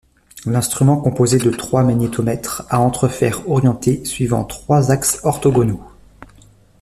L'instrument composé de trois magnétomètres à entrefer orientés suivant trois axes orthogonaux.